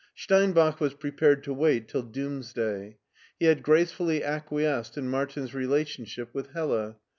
Steinbach was prepared to wait till doomsday. He had gracefully acquiesced in Martin's relationship with Hella.